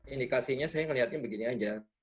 indikasinya saya melihatnya begini aja